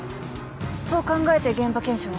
そう考えて現場検証を？